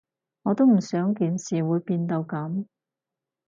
我都唔想件事會變到噉